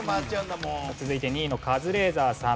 続いて２位のカズレーザーさん。